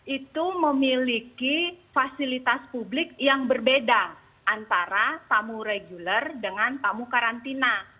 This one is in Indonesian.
itu memiliki fasilitas publik yang berbeda antara tamu regular dengan tamu karantina